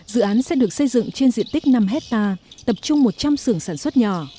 dự án sẽ được xây dựng trên diện tích năm hectare tập trung một trăm linh xưởng sản xuất nhỏ